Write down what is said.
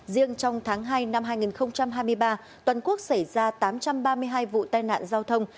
riêng trong tháng hai năm hai nghìn hai mươi ba toàn quốc xảy ra tám trăm ba mươi hai vụ tai nạn giao thông